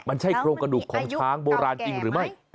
มันใช่โครงกระดูกของช้างโบราณจริงหรือไม่